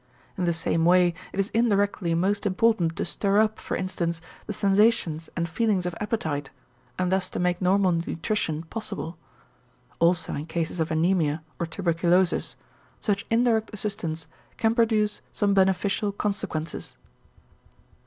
In the same way it is indirectly most important to stir up, for instance, the sensations and feelings of appetite and thus to make normal nutrition possible. Also in cases of anæmia or tuberculosis, such indirect assistance can produce some beneficial consequences.